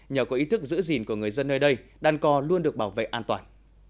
nhờ có ý thức giữ gìn của người dân nơi đây đàn cò luôn được bảo vệ an toàn